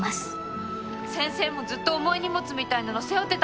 先生もずっと重い荷物みたいなの背負ってたんですよね？